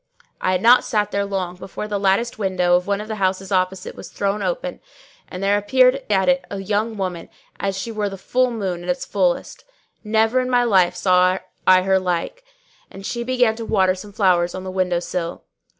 I had not sat there long before the latticed window of one of the houses opposite was thrown open, and there appeared at it a young lady, as she were the full moon at its fullest; never in my life saw I her like; and she began to water some flowers on the window sill.